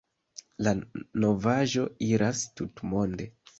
La novaĵo iras tutmonde.